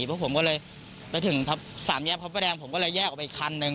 พวกผมก็เลยไปถึงสามแยกพระประแดงผมก็เลยแยกออกไปอีกคันนึง